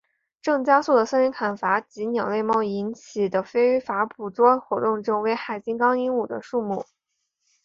正加速的森林砍伐及鸟类贸易引起的非法捕捉活动正危害金刚鹦鹉的数目。